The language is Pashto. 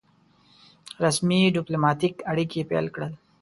رسمي ډيپلوماټیک اړیکي پیل کړل.